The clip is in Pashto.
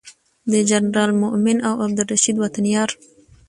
د جنرال مؤمن او عبدالرشید وطن یار